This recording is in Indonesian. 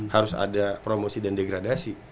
harus ada promosi dan degradasi